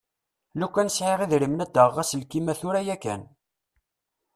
Lukan sεiɣ idrimen ad aɣeɣ aselkim-a tura yakan.